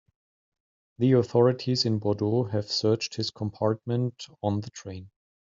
The authorities in Bordeaux have searched his compartment on the train.